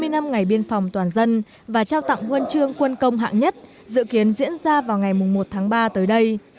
ba mươi năm ngày biên phòng toàn dân và trao tặng nguồn trương quân công hạng nhất dự kiến diễn ra vào ngày một tháng ba tới đây